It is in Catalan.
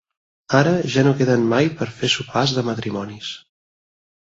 Ara ja no queden mai per fer sopars de matrimonis.